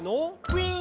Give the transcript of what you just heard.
「ウィン！」